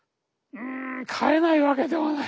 うん買えないわけではない。